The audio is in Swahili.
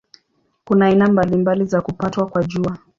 Kuna aina mbalimbali za kupatwa kwa Jua.